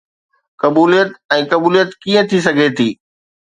قبوليت ۽ قبوليت ڪيئن ٿي سگهي ٿي؟